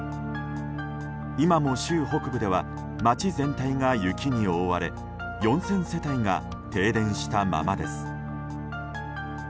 今も州北部では街全体が雪に覆われ４０００世帯が停電したままです。